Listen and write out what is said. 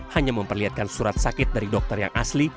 hanya memperlihatkan surat sakit dari dokter yang asli